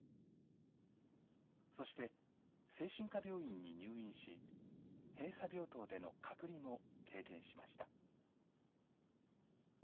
そして精神科病院に入院し、閉鎖病棟での隔離も経験しました。